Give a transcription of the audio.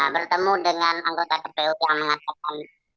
bertemu dengan anggota kpu yang mengatakan